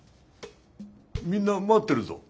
みんな待ってるぞ。